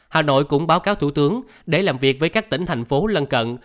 hà nội cũng báo cáo thủ tướng để làm việc với các tỉnh thành phố lân cận